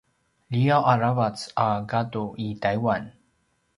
liyaw a ravac a gadu i Taiwan